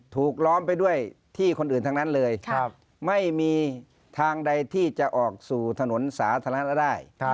ล้อมไปด้วยที่คนอื่นทั้งนั้นเลยไม่มีทางใดที่จะออกสู่ถนนสาธารณะได้